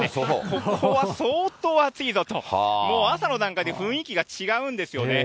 ここは相当暑いぞと、もう朝の段階で雰囲気が違うんですよね。